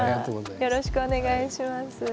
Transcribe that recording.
よろしくお願いします。